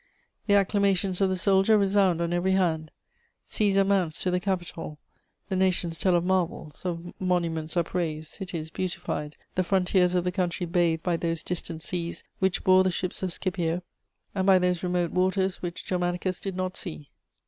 The acclamations of the soldier resound on every hand. Cæsar mounts to the Capitol; the nations tell of marvels, of monuments upraised, cities beautified, the frontiers of the country bathed by those distant seas which bore the ships of Scipio, and by those remote waters which Germanicus did not see.